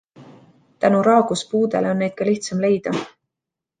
Tänu raagus puudele on neid ka lihtsam leida.